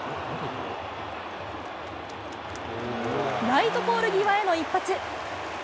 ライトポール際への一発。